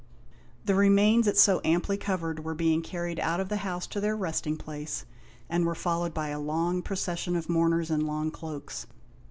The remains it so amply covered were being carried out of the house to their resting place, and were followed by a long procession of mourners in long cloaks.